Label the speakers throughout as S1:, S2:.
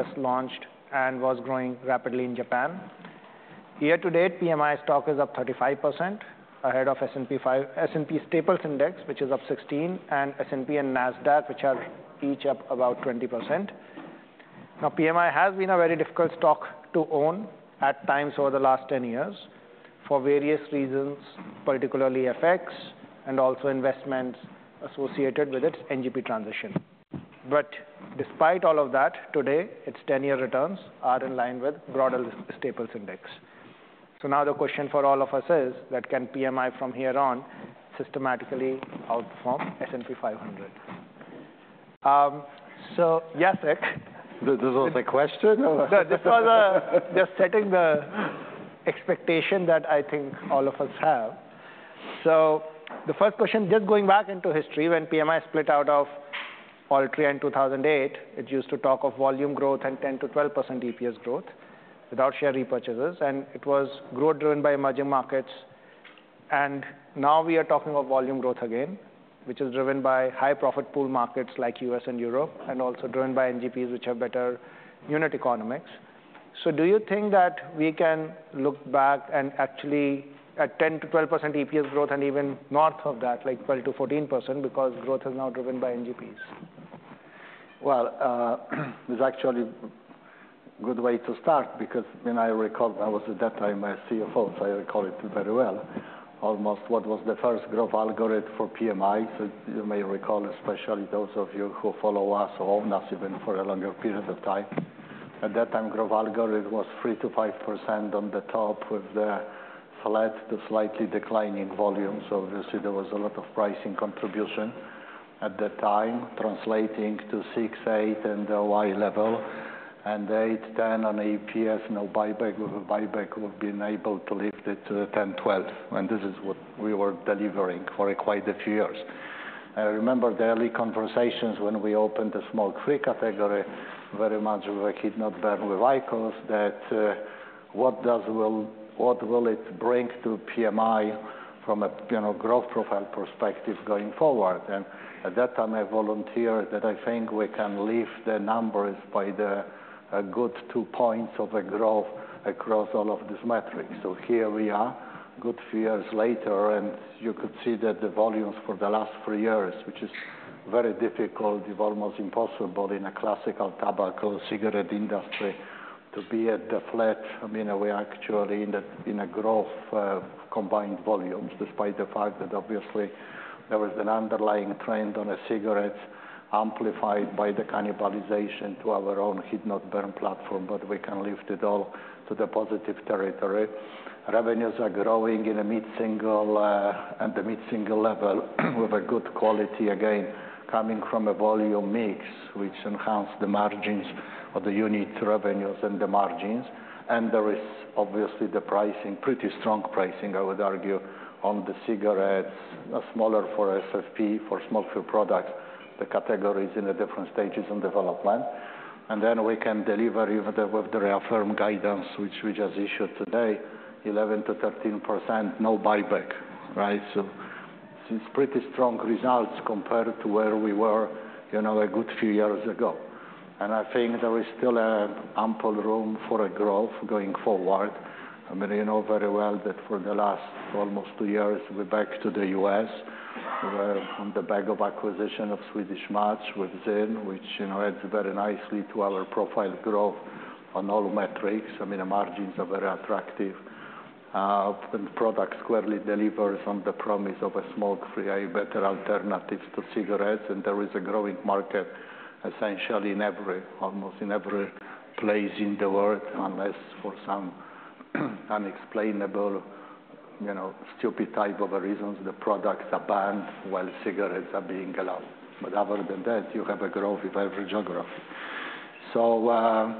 S1: Just launched and was growing rapidly in Japan. Year-to-date, PMI stock is up 35%, ahead of S&P 500 Staples Index, which is up 16%, and S&P and Nasdaq, which are each up about 20%. Now, PMI has been a very difficult stock to own at times over the last 10 years for various reasons, particularly effects and also investments associated with its NGP transition. But despite all of that, today, its 10-year returns are in line with broader Staples Index. So now the question for all of us is, that can PMI from here on systematically outperform S&P 500? So, Jacek.
S2: This was a question or...? This was just setting the expectation that I think all of us have. So the first question, just going back into history, when PMI split out of Altria in 2008, it used to talk of volume growth and 10%-12% EPS growth without share repurchases, and it was growth driven by emerging markets. And now we are talking about volume growth again, which is driven by high profit pool markets like U.S. and Europe, and also driven by NGPs, which have better unit economics. So do you think that we can look back and actually at 10%-12% EPS growth and even north of that, like 12%-14%, because growth is now driven by NGPs? This is actually a good way to start, because when I recall, I was at that time a CFO, so I recall it very well. Recall what was the first growth algorithm for PMI? So you may recall, especially those of you who follow us or known us even for a longer period of time. At that time, growth algorithm was 3%-5% on the top, with the slightly declining volume. So obviously there was a lot of pricing contribution at that time, translating to 6%-8% on the OI level, and 8%-10% on EPS, no buyback. With a buyback, we've been able to lift it to 10%-12%, and this is what we were delivering for quite a few years. I remember the early conversations when we opened the smoke-free category, very much with a heat-not-burn with IQOS, that what will it bring to PMI from a, you know, growth profile perspective going forward, and at that time, I volunteered that I think we can lift the numbers by a good two points of a growth across all of this metrics, so here we are, a good few years later, and you could see that the volumes for the last three years, which is very difficult, is almost impossible in a classical tobacco cigarette industry, to be at the flat. I mean, we are actually in a growth combined volumes, despite the fact that obviously there was an underlying trend on a cigarette, amplified by the cannibalization to our own heat-not-burn platform, but we can lift it all to the positive territory. Revenues are growing in a mid-single, at the mid-single level, with a good quality, again, coming from a volume mix, which enhance the margins of the unit revenues and the margins. And there is obviously the pricing, pretty strong pricing, I would argue, on the cigarettes, smaller for SFP, for smoke-free products, the categories in the different stages of development. And then we can deliver even with the reaffirmed guidance, which we just issued today, 11%-13%, no buyback, right? So it's pretty strong results compared to where we were, you know, a good few years ago. And I think there is still, ample room for a growth going forward. I mean, you know very well that for the last almost two years, we're back to the U.S., on the back of acquisition of Swedish Match with ZYN, which, you know, adds very nicely to our profile growth on all metrics. I mean, the margins are very attractive, and the product squarely delivers on the promise of a smoke-free, a better alternative to cigarettes, and there is a growing market, essentially in almost every place in the world, unless for some unexplainable, you know, stupid type of reasons, the products are banned while cigarettes are being allowed, but other than that, you have a growth in every geography. So,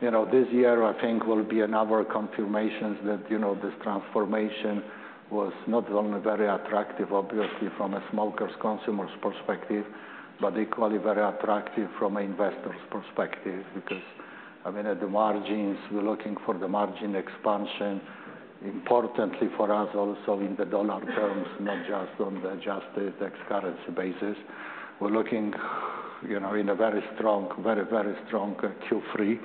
S2: you know, this year, I think, will be another confirmations that, you know, this transformation was not only very attractive, obviously from a smoker's, consumer's perspective, but equally very attractive from an investor's perspective, because, I mean, at the margins, we're looking for the margin expansion. Importantly for us, also in the dollar terms, not just on the adjusted FX currency basis, we're looking, you know, in a very strong, very, very strong Q3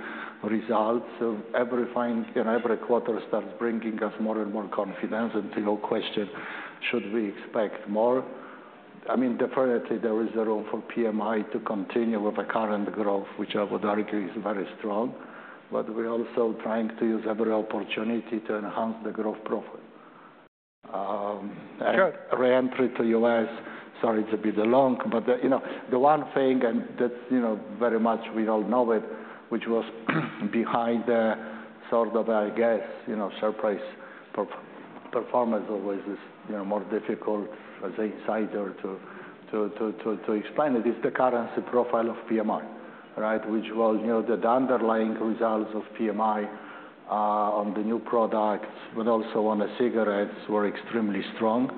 S2: results. So every time, and every quarter starts bringing us more and more confidence. And, you know, question, should we expect more? I mean, definitely there is a role for PMI to continue with the current growth, which I would argue is very strong. But we're also trying to use every opportunity to enhance the growth profile. Reentry to U.S. Sorry to be so long, but, you know, the one thing, and that's, you know, very much we all know it, which was behind the sort of, I guess, you know, share price performance always is, you know, more difficult as an insider to explain it, is the currency profile of PMI, right? Which was, you know, the underlying results of PMI on the new products, but also on the cigarettes, were extremely strong.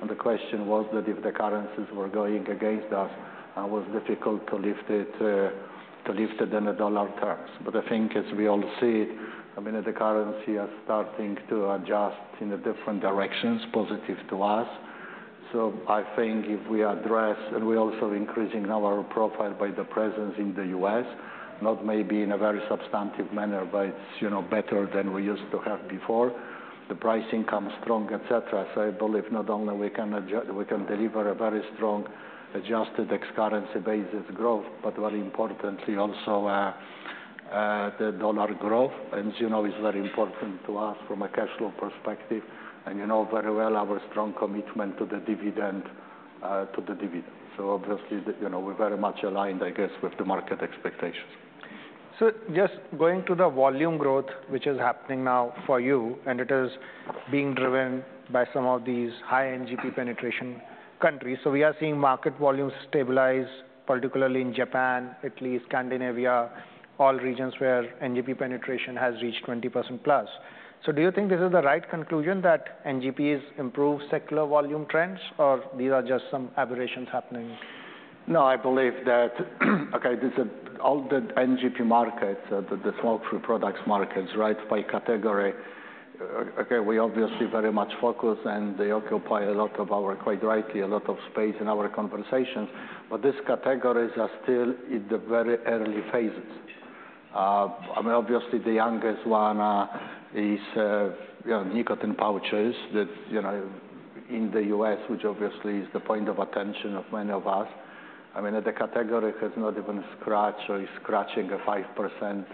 S2: And the question was that if the currencies were going against us, was difficult to lift it in the dollar terms. But I think as we all see, I mean, the currencies are starting to adjust in different directions, positive to us. So I think if we address, and we're also increasing our profile by the presence in the U.S., not maybe in a very substantive manner, but it's, you know, better than we used to have before. The pricing comes strong, et cetera. So I believe not only we can deliver a very strong adjusted FX currency basis growth, but very importantly, also, the dollar growth, and you know, is very important to us from a cash flow perspective, and you know very well our strong commitment to the dividend, to the dividend. So obviously, you know, we're very much aligned, I guess, with the market expectations. So, just going to the volume growth, which is happening now for you, and it is being driven by some of these high NGP penetration countries. So, we are seeing market volumes stabilize, particularly in Japan, Italy, Scandinavia, all regions where NGP penetration has reached 20% plus. So, do you think this is the right conclusion, that NGPs improve secular volume trends, or these are just some aberrations happening? No, I believe that, okay, this is all the NGP markets, the, the smoke-free products markets, right, by category. Okay, we obviously very much focus, and they occupy a lot of our, quite rightly, a lot of space in our conversations, but these categories are still in the very early phases. I mean, obviously, the youngest one is, you know, nicotine pouches, that, you know, in the U.S., which obviously is the point of attention of many of us. I mean, the category has not even scratched or is scratching a 5%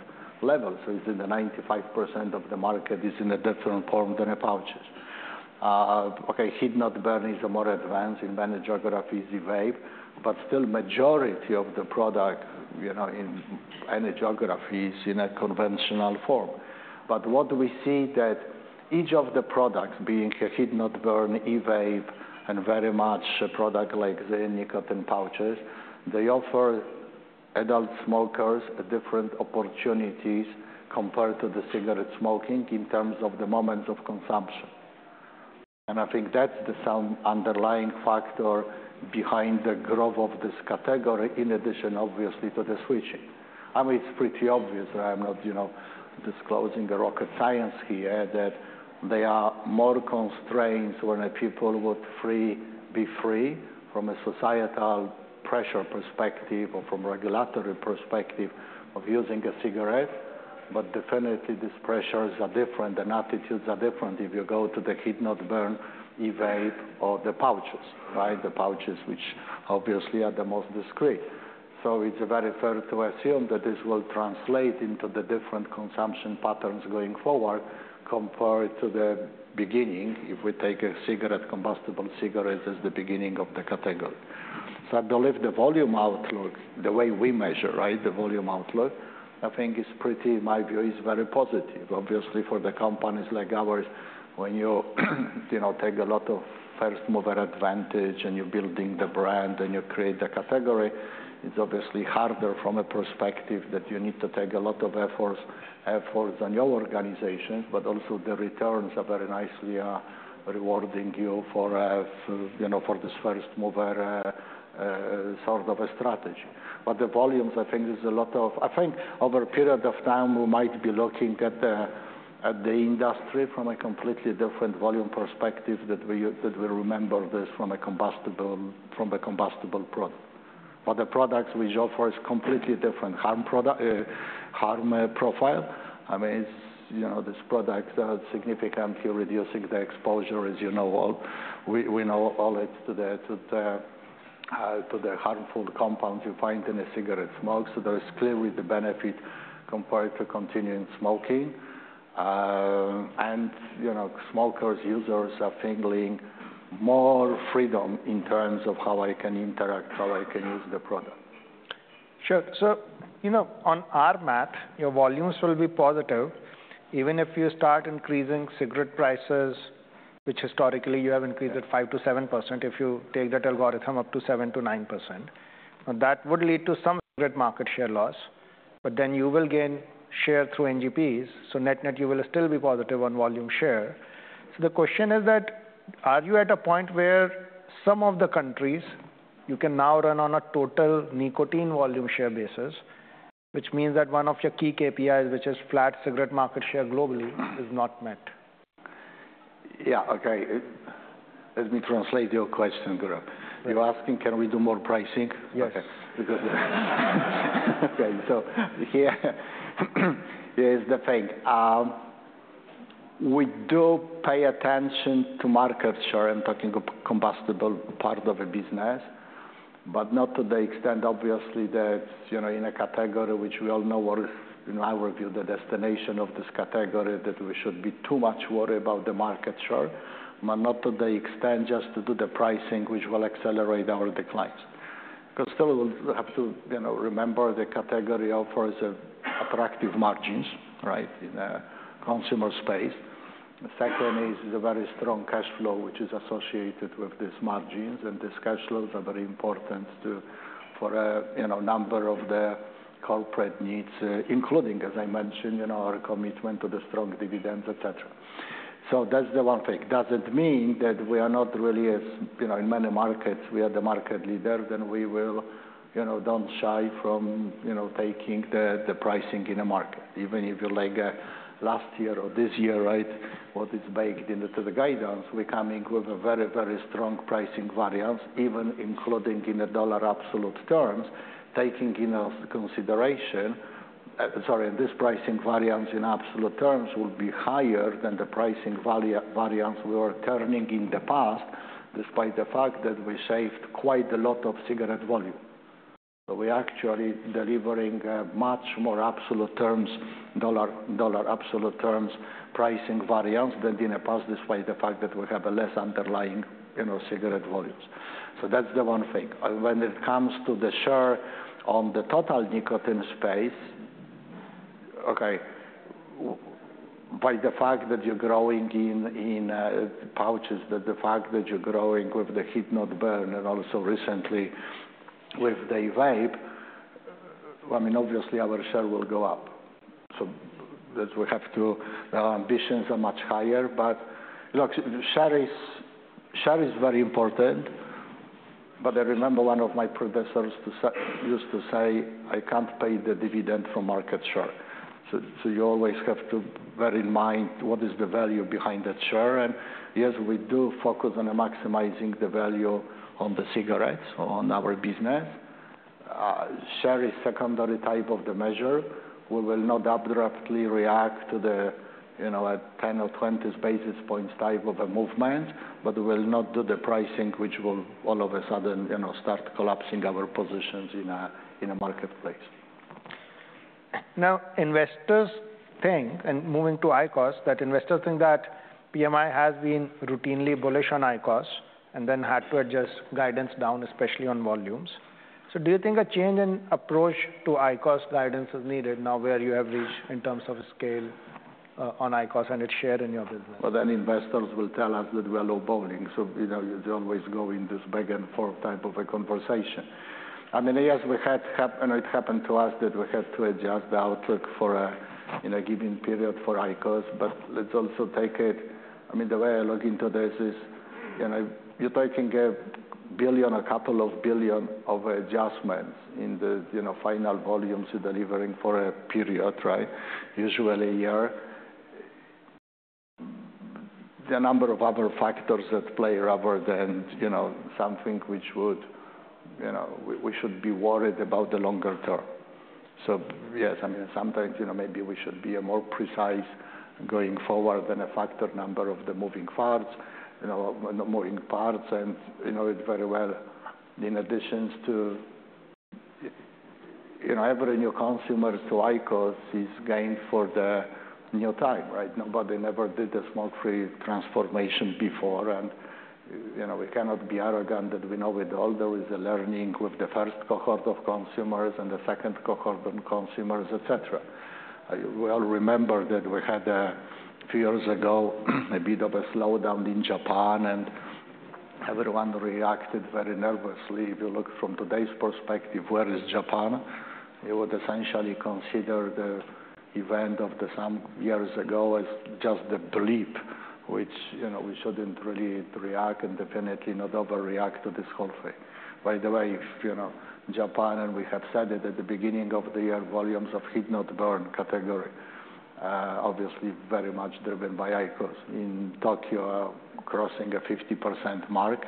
S2: level, so it's in the 95% of the market is in a different form than the pouches. Okay, heat-not-burn is more advanced in many geographies, e-vape, but still majority of the product, you know, in any geography, is in a conventional form. But what we see that each of the products, being a heat-not-burn, e-vape, and very much a product like the nicotine pouches, they offer adult smokers different opportunities compared to the cigarette smoking in terms of the moments of consumption. And I think that's some underlying factor behind the growth of this category, in addition, obviously, to the switching. I mean, it's pretty obvious that I'm not, you know, disclosing rocket science here, that they are more constrained when people would be free from a societal pressure perspective or from regulatory perspective of using a cigarette. But definitely, these pressures are different, and attitudes are different if you go to the heat-not-burn, e-vape or the pouches, right? The pouches, which obviously are the most discreet. So it's very fair to assume that this will translate into the different consumption patterns going forward, compared to the beginning, if we take a cigarette, combustible cigarette, as the beginning of the category. So I believe the volume outlook, the way we measure, right, the volume outlook, I think is pretty, my view, is very positive. Obviously, for the companies like ours, when you, you know, take a lot of first mover advantage, and you're building the brand, and you create the category, it's obviously harder from a perspective that you need to take a lot of efforts on your organization, but also the returns are very nicely, rewarding you for, you know, for this first mover, sort of a strategy. But the volumes, I think, there's a lot of I think over a period of time, we might be looking at the industry from a completely different volume perspective that we remember this from a combustible product. But the products which offer is completely different harm profile. I mean, it's, you know, this product are significantly reducing the exposure, as you know, we know all it to the harmful compounds you find in a cigarette smoke. So there is clearly the benefit compared to continuing smoking. And, you know, smokers, users are feeling more freedom in terms of how I can interact, how I can use the product. Sure. So, you know, on our math, your volumes will be positive even if you start increasing cigarette prices, which historically you have increased at 5%-7%, if you take that algorithm up to 7%-9%. Now, that would lead to some great market share loss, but then you will gain share through NGPs, so net-net, you will still be positive on volume share. So the question is that, are you at a point where some of the countries you can now run on a total nicotine volume share basis, which means that one of your key KPIs, which is flat cigarette market share globally, is not met? Yeah. Okay, let me translate your question, Guru. You're asking, can we do more pricing? Yes. Okay. Okay, so here is the thing. We do pay attention to market share, I'm talking about combustible part of a business, but not to the extent, obviously, that, you know, in a category which we all know or in our view, the destination of this category, that we should be too much worried about the market share, but not to the extent, just to do the pricing, which will accelerate our declines. Because still, we have to, you know, remember, the category offers attractive margins, right, in a consumer space. The second is a very strong cash flow, which is associated with these margins, and these cash flows are very important to, for a, you know, number of the corporate needs, including, as I mentioned, you know, our commitment to the strong dividends, et cetera. So that's the one thing. Doesn't mean that we are not really, you know, in many markets, we are the market leader. Then we will, you know, don't shy from, you know, taking the pricing in the market. Even if you like last year or this year, right, what is baked into the guidance, we're coming with a very, very strong pricing variance, even including in the dollar absolute terms. Taking into consideration, sorry, this pricing variance in absolute terms will be higher than the pricing variance we were turning in the past, despite the fact that we lost quite a lot of cigarette volume. So we're actually delivering a much more absolute terms, dollar, dollar absolute terms, pricing variance than in the past, despite the fact that we have a less underlying, you know, cigarette volumes. So that's the one thing. When it comes to the share on the total nicotine space, okay, by the fact that you're growing in pouches, the fact that you're growing with the heat not burn, and also recently with the vape, I mean, obviously our share will go up. Ambitions are much higher. But look, share is very important, but I remember one of my professors used to say, "I can't pay the dividend for market share." You always have to bear in mind what is the value behind that share. Yes, we do focus on maximizing the value on the cigarettes, on our business. Share is secondary type of the measure. We will no doubt rapidly react to the, you know, at 10 or 20 basis points type of a movement, but we will not do the pricing, which will all of a sudden, you know, start collapsing our positions in a marketplace. Now, investors think, and moving to IQOS, that investors think that PMI has been routinely bullish on IQOS and then had to adjust guidance down, especially on volumes. So do you think a change in approach to IQOS guidance is needed now where you have reached in terms of scale, on IQOS and its share in your business? Then investors will tell us that we are lowballing, so, you know, you always go in this back and forth type of a conversation. I mean, yes, and it happened to us, that we had to adjust the outlook for, in a given period for IQOS. But let's also take it. I mean, the way I look into this is, you know, you're taking a billion, a couple of billion of adjustments in the, you know, final volumes you're delivering for a period, right? Usually, a year. There are number of other factors at play rather than, you know, something which would, you know, we should be worried about the longer term. So yes, I mean, sometimes, you know, maybe we should be a more precise going forward than a factor number of the moving parts, you know, moving parts, and you know it very well. In addition to, you know, every new consumer to IQOS is gained for the new time, right? Nobody never did a smoke-free transformation before, and, you know, we cannot be arrogant that we know it all. There is a learning with the first cohort of consumers and the second cohort of consumers, et cetera. You well remember that we had, a few years ago, a bit of a slowdown in Japan, and everyone reacted very nervously. If you look from today's perspective, where is Japan? You would essentially consider the event of the some years ago as just a blip, which, you know, we shouldn't really react and definitely not overreact to this whole thing. By the way, if you know Japan, and we have said it at the beginning of the year, volumes of heat-not-burn category, obviously very much driven by IQOS, in Tokyo, crossing a 50% mark.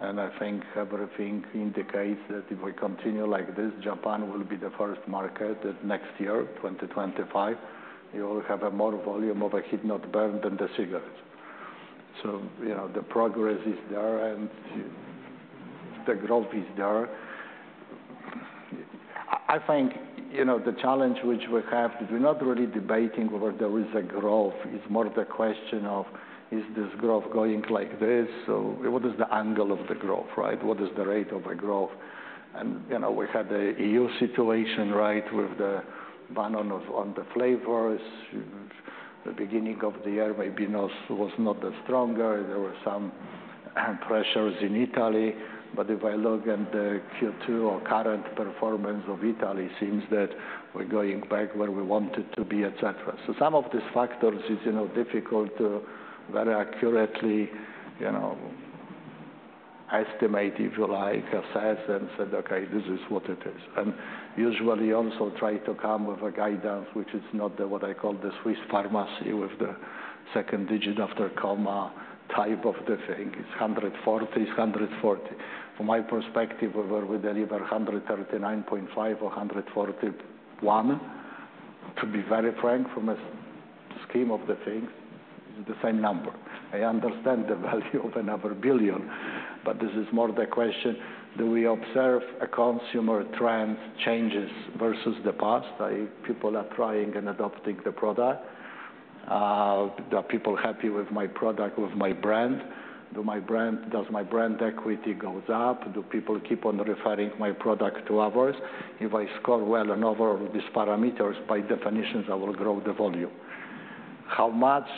S2: And I think everything indicates that if we continue like this, Japan will be the first market that next year, 2025, you will have more volume of heat-not-burn than the cigarettes. So, you know, the progress is there and the growth is there. I think, you know, the challenge which we have, we're not really debating whether there is a growth. It's more of a question of, is this growth going like this, or what is the angle of the growth, right? What is the rate of the growth? And, you know, we had an EU situation, right, with the ban on the flavors. The beginning of the year, maybe was not as stronger. There were some pressures in Italy. But if I look at the Q2 or current performance of Italy, seems that we're going back where we wanted to be, et cetera. So some of these factors is, you know, difficult to very accurately, you know, estimate, if you like, assess and said, "Okay, this is what it is." And usually also try to come with a guidance which is not the, what I call the Swiss pharmacy, with the second digit after comma type of the thing. It's 140, it's 140. From my perspective, whether we deliver 139.5 or 141, to be very frank, from a scheme of the thing, it's the same number. I understand the value of another billion, but this is more the question: Do we observe a consumer trend changes versus the past? People are trying and adopting the product. Are people happy with my product, with my brand? Do my brand- does my brand equity goes up? Do people keep on referring my product to others? If I score well on all of these parameters, by definitions, I will grow the volume. How much?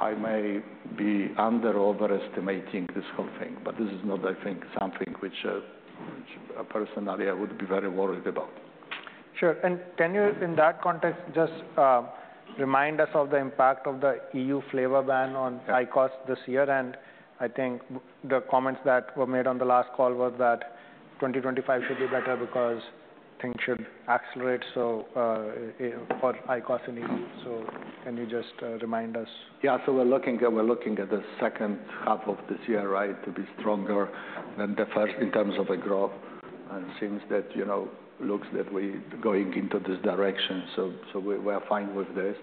S2: I may be under- or overestimating this whole thing, but this is not, I think, something which, which personally, I would be very worried about. Sure. And can you, in that context, just remind us of the impact of the EU flavor ban on IQOS this year? And I think the comments that were made on the last call was that 2025 should be better because things should accelerate, so for IQOS in EU. So can you just remind us? Yeah. So we're looking at the second half of this year, right, to be stronger than the first in terms of the growth. And it seems that, you know, looks that we going into this direction, so, so we're fine with this.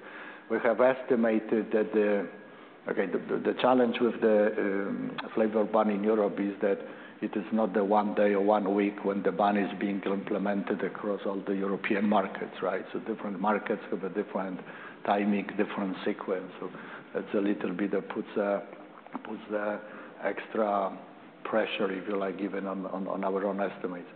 S2: We have estimated that the challenge with the flavor ban in Europe is that it is not the one day or one week when the ban is being implemented across all the European markets, right? So different markets have a different timing, different sequence. So it's a little bit that puts a extra pressure, if you like, even on our own estimates.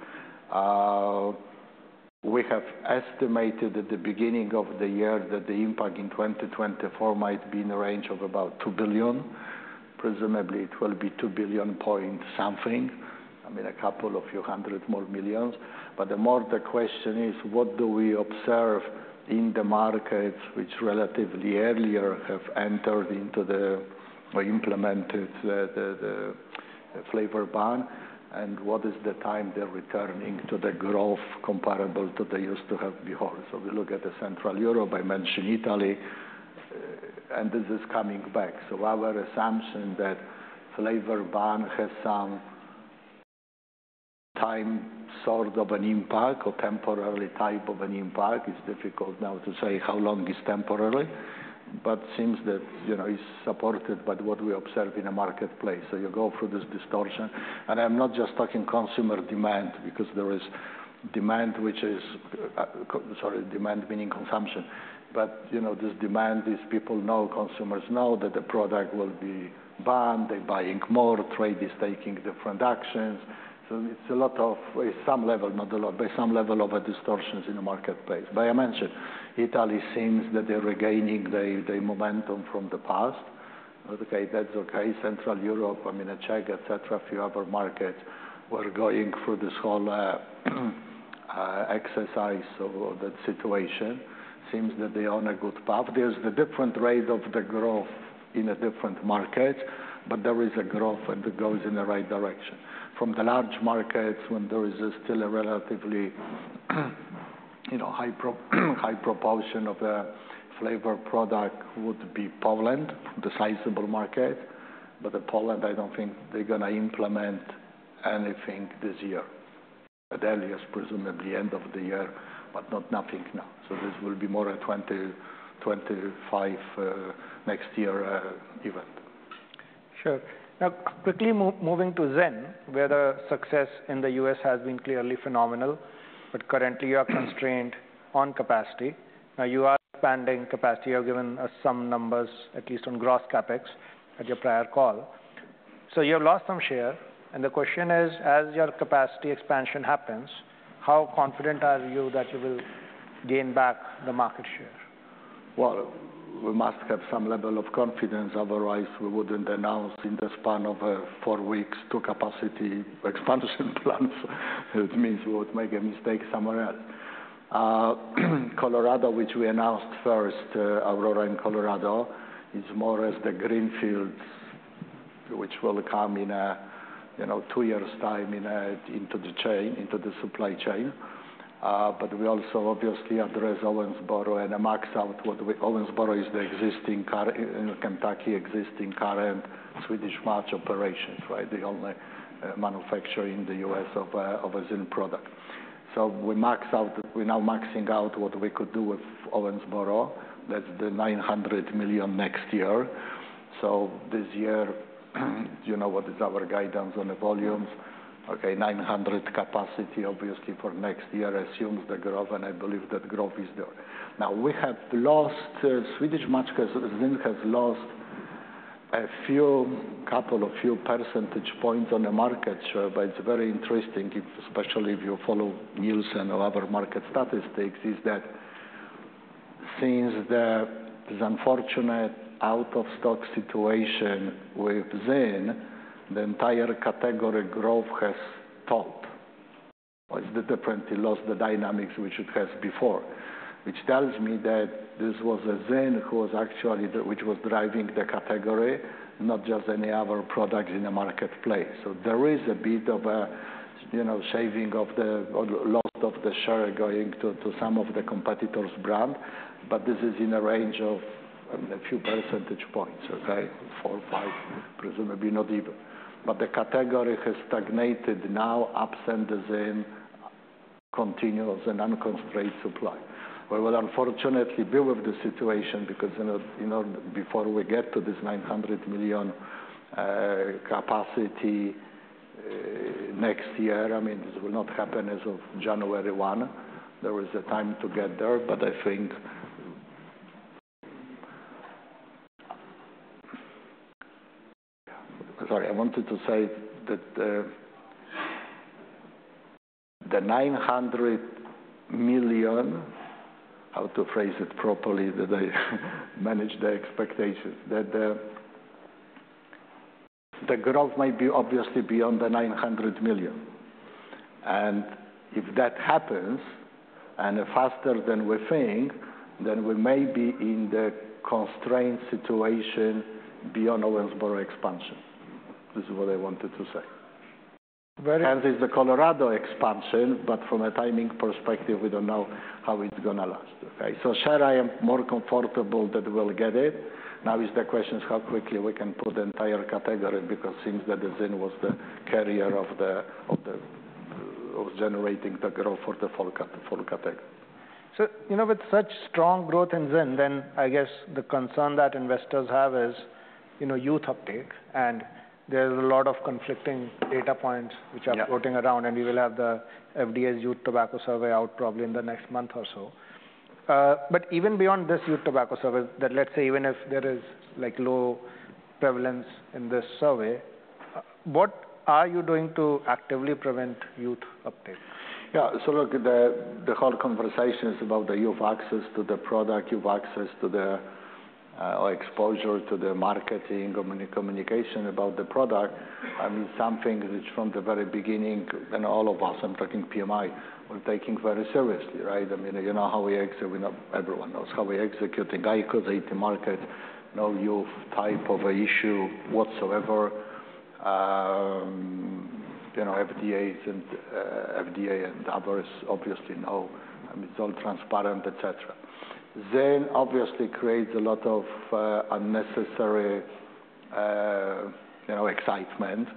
S2: We have estimated at the beginning of the year that the impact in 2024 might be in the range of about $2 billion. Presumably, it will be two billion point something, I mean, a couple of few hundred more millions, but the more the question is, what do we observe in the markets which relatively earlier have entered into the, or implemented the flavor ban, and what is the time they're returning to the growth comparable to they used to have before, so we look at Central Europe, I mentioned Italy, and this is coming back, so our assumption that flavor ban has some time sort of an impact or temporarily type of an impact, it's difficult now to say how long is temporarily, but seems that, you know, it's supported by what we observe in a marketplace, so you go through this distortion, and I'm not just talking consumer demand, because there is demand which is, demand meaning consumption. But you know, this demand, people know, consumers know that the product will be banned. They're buying more. Trade is taking different actions. So it's a lot of, some level, not a lot, but some level of distortions in the marketplace. But I mentioned, Italy seems that they're regaining the momentum from the past. Okay, that's okay. Central Europe, I mean, the Czech Republic, etc., a few other markets, were going through this whole exercise of that situation. Seems that they're on a good path. There's the different rate of the growth in the different markets, but there is a growth, and it goes in the right direction. From the large markets, when there is still a relatively, you know, high proportion of the flavor product, would be Poland, the sizable market. But the Poland, I don't think they're gonna implement anything this year. At earliest, presumably end of the year, but not nothing now. So this will be more a 2025, next year, event. Sure. Now, quickly moving to ZYN, where the success in the U.S. has been clearly phenomenal, but currently you are constrained on capacity. Now, you are expanding capacity. You have given us some numbers, at least on gross CapEx, at your prior call. So you've lost some share, and the question is: as your capacity expansion happens, how confident are you that you will gain back the market share? We must have some level of confidence, otherwise, we wouldn't announce in the span of four weeks, two capacity expansion plans. It means we would make a mistake somewhere else. Colorado, which we announced first, Aurora in Colorado, is more as the greenfields which will come in a, you know, two years' time in a, into the chain, into the supply chain. But we also obviously address Owensboro and max out what we could do with Owensboro. Owensboro is the existing current Kentucky Swedish Match operations, right? The only manufacturer in the U.S. of a ZYN product. So we max out, we're now maxing out what we could do with Owensboro. That's the 900 million next year. So this year, you know what is our guidance on the volumes. Okay, 900 capacity, obviously, for next year assumes the growth, and I believe that growth is there. Now, we have lost Swedish Match, ZYN has lost a few, couple of few percentage points on the market share, but it's very interesting, if, especially if you follow news and other market statistics, is that since this unfortunate out-of-stock situation with ZYN, the entire category growth has stopped. Or it's differently, lost the dynamics which it has before, which tells me that this was a ZYN who was actually the, which was driving the category, not just any other product in the marketplace. So there is a bit of a, you know, shaving of the, or loss of the share going to some of the competitors' brand, but this is in a range of a few percentage points, okay? 4-5, presumably, not even. But the category has stagnated now absent the ZYN continuous and unconstrained supply. We will unfortunately live with the situation because, you know, before we get to this nine hundred million capacity next year, I mean, this will not happen as of January 1. There is a time to get there, but I think. Sorry, I wanted to say that, the 900 million, how to phrase it properly, that I manage the expectations, that the growth might be obviously beyond the nine hundred million. And if that happens, and faster than we think, then we may be in the constraint situation beyond Owensboro expansion. This is what I wanted to say. Very- There's the Colorado expansion, but from a timing perspective, we don't know how it's gonna last, okay? So, sure, I am more comfortable that we'll get it. Now the question is how quickly we can pull the entire category, because since that the ZYN was the carrier of generating the growth for the full category. So, you know, with such strong growth in ZYN, then I guess the concern that investors have is, you know, youth uptake, and there is a lot of conflicting data points. Yeah Which are floating around, and we will have the FDA's Youth Tobacco Survey out probably in the next month or so. But even beyond this Youth Tobacco Survey, that let's say even if there is, like, low prevalence in this survey, what are you doing to actively prevent youth uptake? Yeah. So look, the whole conversation is about the youth access to the product, or exposure to the marketing, communication about the product. I mean, something which from the very beginning, and all of us, I'm talking PMI, we're taking very seriously, right? I mean, you know how we execute, we know everyone knows how we execute the nicotine market, no youth type of a issue whatsoever. You know, FDA and others obviously know, I mean, it's all transparent, et cetera. ZYN obviously creates a lot of unnecessary, you know, excitement,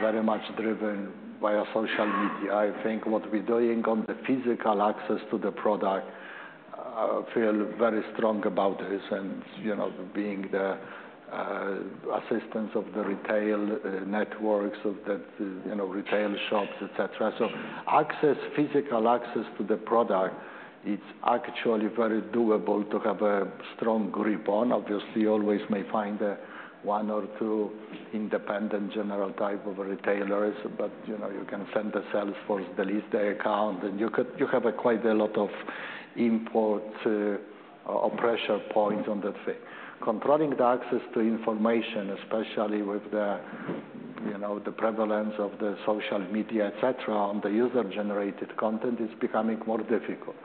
S2: very much driven via social media. I think what we're doing on the physical access to the product, feel very strong about this and, you know, being the assistance of the retail networks, of the, you know, retail shops, et cetera. So access, physical access to the product, it's actually very doable to have a strong grip on. Obviously, always may find one or two independent general type of retailers, but, you know, you can send the sales force, they list their account, and you have a quite a lot of input or pressure points on that thing. Controlling the access to information, especially with the, you know, the prevalence of the social media, et cetera, on the user-generated content, is becoming more difficult.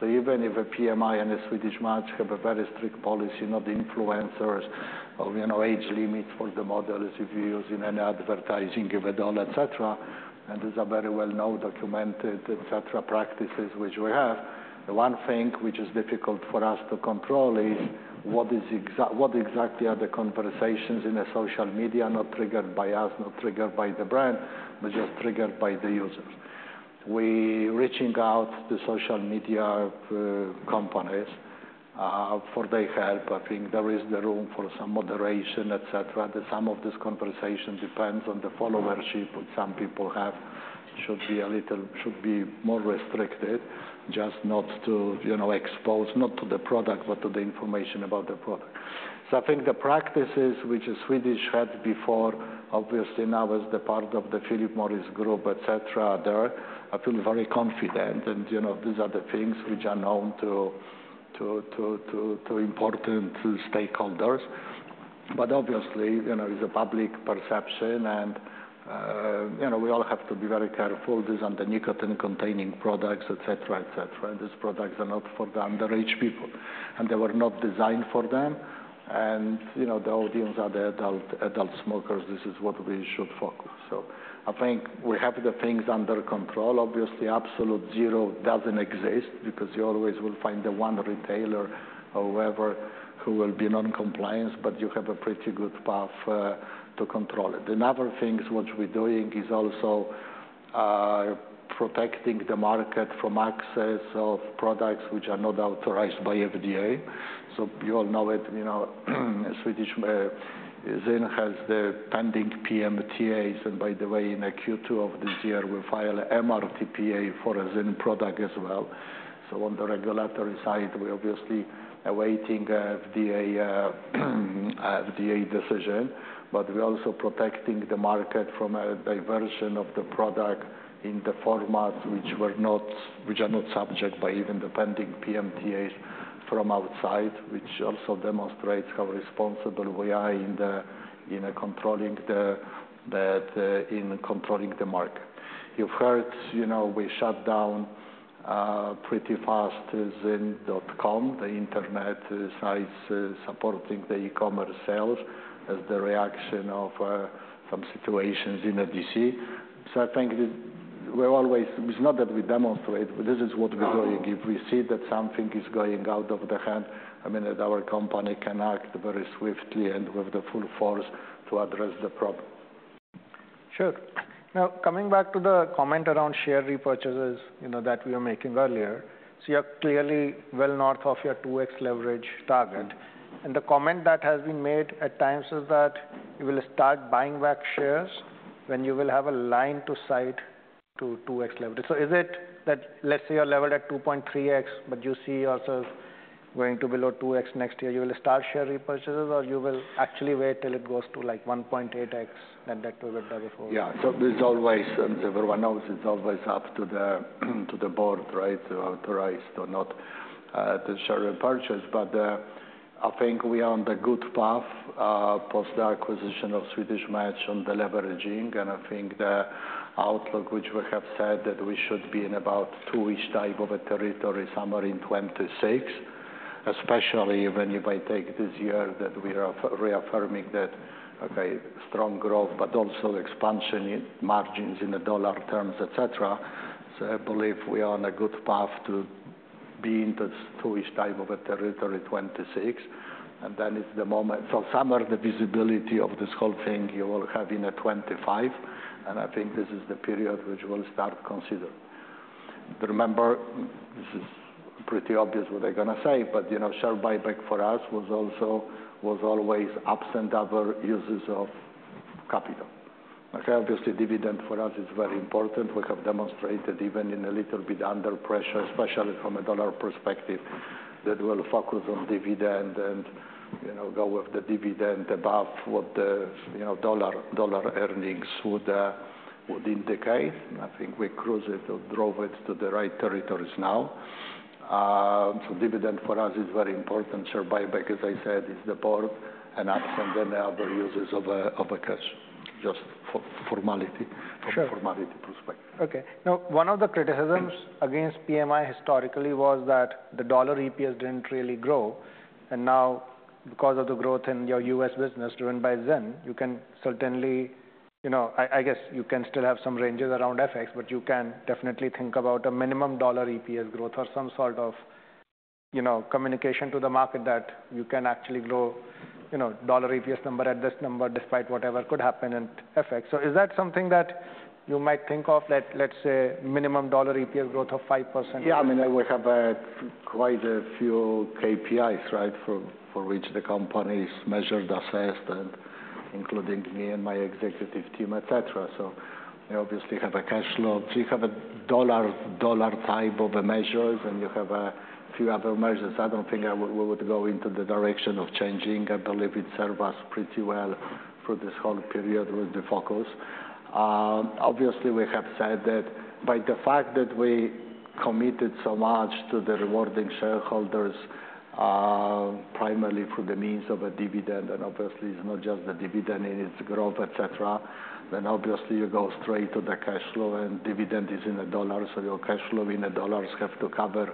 S2: So even if a PMI and the Swedish Match have a very strict policy, you know, the influencers or, you know, age limit for the models, if you're using any advertising, give it all, et cetera, and is a very well-known, documented, et cetera, practices which we have. The one thing which is difficult for us to control is what exactly are the conversations in the social media, not triggered by us, not triggered by the brand, but just triggered by the users. We reaching out to social media companies for their help. I think there is the room for some moderation, et cetera. That some of this conversation depends on the followership that some people have should be more restricted, just not to, you know, expose not to the product, but to the information about the product. So I think the practices which Swedish had before, obviously now as the part of the Philip Morris group, et cetera, there I feel very confident. And, you know, these are the things which are known to important to stakeholders. But obviously, you know, it's a public perception, and, you know, we all have to be very careful. These are the nicotine-containing products, et cetera, et cetera. These products are not for the underage people, and they were not designed for them. And, you know, the audience are the adult, adult smokers. This is what we should focus. So I think we have the things under control. Obviously, absolute zero doesn't exist because you always will find the one retailer or whoever who will be non-compliant, but you have a pretty good path, to control it. Another things which we're doing is also, protecting the market from access of products which are not authorized by FDA. So you all know it, you know, Swedish ZYN has the pending PMTAs, and by the way, in the Q2 of this year, we file MRTPA for a ZYN product as well. On the regulatory side, we're obviously awaiting FDA decision, but we're also protecting the market from a diversion of the product in the formats which are not subject by even the pending PMTAs from outside, which also demonstrates how responsible we are in controlling the market. You've heard, you know, we shut down pretty fast ZYN.com, the internet site supporting the e-commerce sales, as the reaction of some situations in the D.C. I think that we're always... It's not that we demonstrate, but this is what we are doing. If we see that something is going out of hand, I mean, that our company can act very swiftly and with the full force to address the problem. Sure. Now, coming back to the comment around share repurchases, you know, that we were making earlier. So you are clearly well north of your 2x leverage target. And the comment that has been made at times is that you will start buying back shares when you will have a line of sight to 2x leverage. So is it that, let's say, you're levered at 2.3x, but you see yourself going to below 2x next year, you will start share repurchases, or you will actually wait till it goes to, like, 1.8x, and that will get 2.4x? Yeah. So there's always, and everyone knows, it's always up to the, to the board, right? To authorize or not the share repurchase, but I think we are on the good path post the acquisition of Swedish Match on the leveraging. And I think the outlook, which we have said that we should be in about two-ish type of a territory, somewhere in 2026, especially when you may take this year, that we are reaffirming that, okay, strong growth, but also expansion in margins in the dollar terms, et cetera. So I believe we are on a good path to be in the two-ish type of a territory, 2025, and then it's the moment. So somewhere, the visibility of this whole thing, you will have in the 2025, and I think this is the period which we'll start consider. But remember, this is pretty obvious what I'm gonna say, but, you know, share buyback for us was always a subset of other uses of capital. Okay, obviously, dividend for us is very important. We have demonstrated even in a little bit under pressure, especially from a dollar perspective, that we'll focus on dividend and, you know, go with the dividend above what the, you know, dollar earnings would indicate. I think we cruise it or drove it to the right territories now. So dividend for us is very important. Share buyback, as I said, is the part, and then there are other uses of the cash, just for formality. Sure. From formality perspective. Okay. Now, one of the criticisms against PMI historically was that the dollar EPS didn't really grow, and now, because of the growth in your U.S. business driven by ZYN, you can certainly, you know, I, I guess you can still have some ranges around FX, but you can definitely think about a minimum dollar EPS growth or some sort of, you know, communication to the market that you can actually grow, you know, dollar EPS number at this number, despite whatever could happen in FX. So is that something that you might think of, let's say, minimum dollar EPS growth of 5%? Yeah, I mean, we have quite a few KPIs, right? For which the company is measured, assessed, and including me and my executive team, et cetera. So we obviously have a cash flow. So you have a dollar type of measures, and you have a few other measures. I don't think we would go into the direction of changing. I believe it served us pretty well for this whole period with the focus. Obviously, we have said that by the fact that we committed so much to the rewarding shareholders, primarily through the means of a dividend, and obviously, it's not just the dividend, it needs to grow, et cetera, then obviously you go straight to the cash flow, and dividend is in the dollar, so your cash flow in the dollars have to cover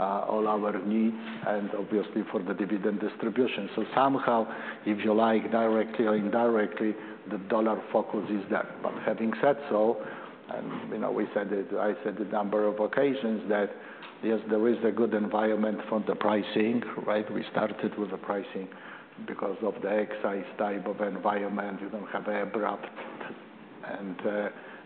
S2: all our needs and obviously for the dividend distribution. So somehow, if you like, directly or indirectly, the dollar focus is there. But having said so, and you know, we said it, I said on a number of occasions that, yes, there is a good environment for the pricing, right? We started with the pricing because of the excise type of environment. You don't have abrupt and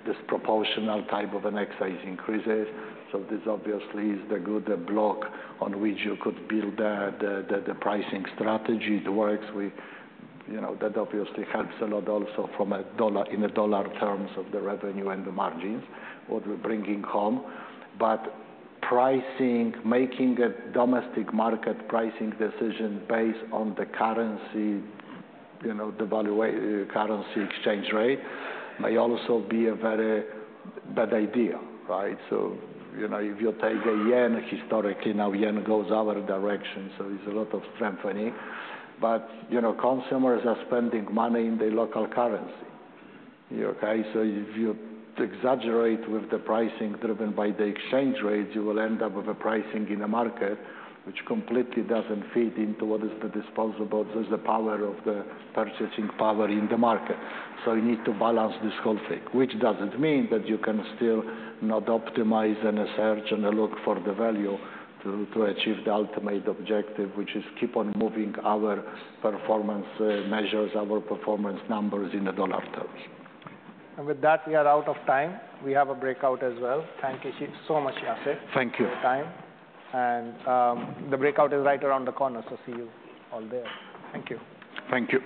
S2: disproportionate type of an excise increases. So this obviously is the good block on which you could build the pricing strategy. It works with. You know, that obviously helps a lot also from a dollar in the dollar terms of the revenue and the margins, what we're bringing home. But pricing, making a domestic market pricing decision based on the currency, you know, the currency exchange rate, may also be a very bad idea, right? So, you know, if you take the yen, historically, now yen goes our direction, so there's a lot of strengthening. But, you know, consumers are spending money in their local currency. Okay, so if you exaggerate with the pricing driven by the exchange rate, you will end up with a pricing in the market which completely doesn't fit into what is the disposable, is the power of the purchasing power in the market. So you need to balance this whole thing, which doesn't mean that you can still not optimize and search and look for the value to achieve the ultimate objective, which is keep on moving our performance measures, our performance numbers, in the dollar terms. With that, we are out of time. We have a breakout as well. Thank you so much, Jacek- Thank you... for your time. And, the breakout is right around the corner, so see you all there. Thank you. Thank you.